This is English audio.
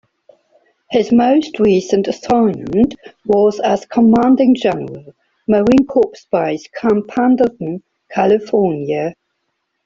His most recent assignment was as Commanding General, Marine Corps Base Camp Pendleton, California.